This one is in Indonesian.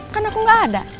kan aku gak ada